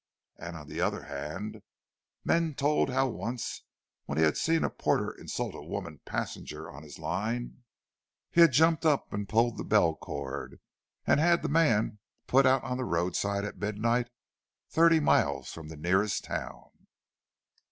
And, on the other hand, men told how once when he had seen a porter insult a woman passenger on his line, he jumped up and pulled the bell cord, and had the man put out on the roadside at midnight, thirty miles from the nearest town!